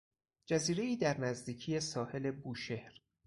جزیرهای در نزدیکی ساحل بوشهر